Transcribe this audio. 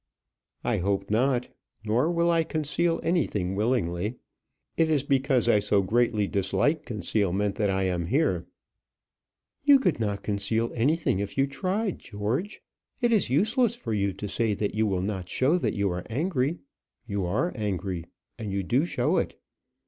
"I hope not; nor will I conceal anything willingly. It is because I so greatly dislike concealment that I am here." "You could not conceal anything if you tried, George. It is useless for you to say that you will not show that you are angry. You are angry, and you do show it.